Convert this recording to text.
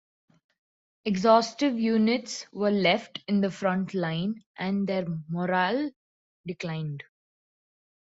Exhausted units were left in the front line, and their morale declined.